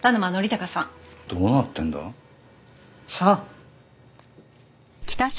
どうなってんだ？さあ。